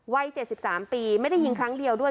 วัยเจ็ดสิบสามปีไม่ได้ยิงครั้งเดียวด้วย